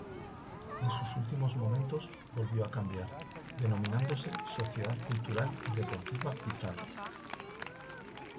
En sus últimos momentos, volvió a cambiar, denominándose "Sociedad Cultural y Deportiva Pizarro".